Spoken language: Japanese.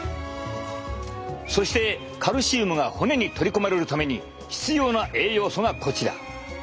そしてカルシウムが骨に取り込まれるために必要な栄養素がこちら。